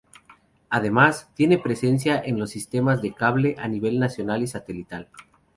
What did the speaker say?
Además, tiene presencia en los sistemas de cable a nivel nacional y satelital.